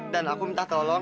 dan aku minta tolong